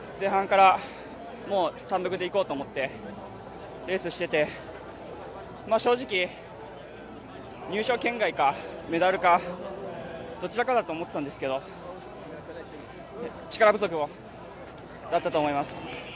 今日は、見てのとおり前半から単独でいこうと思ってレースしてて正直、入賞圏外か、メダルかどちらかだと思っていたんですけど力不足だったと思います。